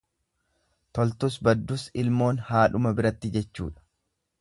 Toltus baddus ilmoon haadhuma biratti jechuudha.